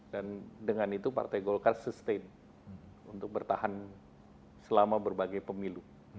dan dengan itu partai golkar sustain untuk bertahan selama berbagai pemilu